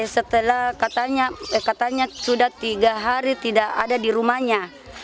setelah katanya sudah tiga hari tidak ada di rumahnya